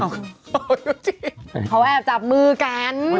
พอก็แอบจับมือกัน